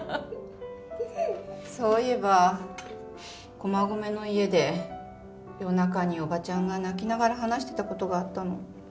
そういえば駒込の家で夜中におばちゃんが泣きながら話してたことがあったの。